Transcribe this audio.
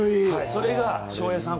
それが、翔平さん